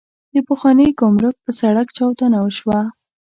د پخواني ګمرک پر سړک چاودنه وشوه.